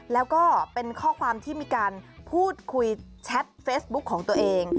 แล้วก็เป็นข้อความที่มีการพูดคุยแชทเฟซบุ๊คของตัวเอง